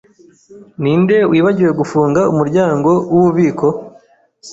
Ninde wibagiwe gufunga umuryango wububiko?